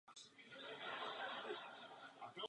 Palivové nádrže nad trupem měly pancéřování.